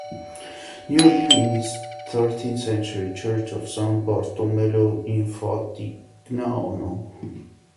Nearby is the thirteenth-century church of San Bartolomeo in Faltignano.